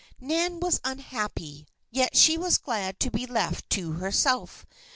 Nan was unhappy; yet she was glad to be left to herself.